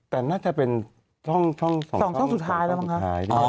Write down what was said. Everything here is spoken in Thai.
แต่น่าจะเป็นสองช่องสุดท้ายส์มั้ยคะ